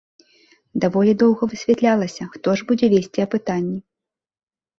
Даволі доўга высвятлялася, хто ж будзе весці апытанні.